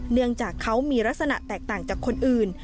เนื่องจากเขามีลักษณะแตกต่างจากคนอื่น